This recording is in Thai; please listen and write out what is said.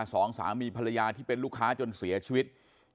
สองสามีภรรยาที่เป็นลูกค้าจนเสียชีวิต